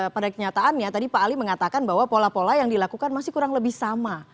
pada kenyataannya tadi pak ali mengatakan bahwa pola pola yang dilakukan masih kurang lebih sama